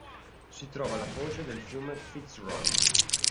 Si trova alla foce del fiume Fitzroy.